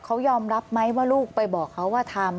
เขายอมรับไหมว่าลูกไปบอกเขาว่าทำ